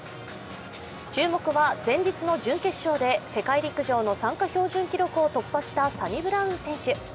注目は前日の準決勝で世界陸上の参加標準記録を突破したサニブラウン選手。